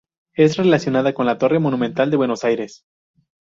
Es relacionada con la Torre Monumental de Buenos Aires.